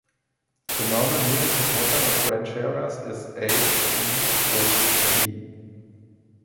The normal musical pattern of rancheras is a-b-a-b.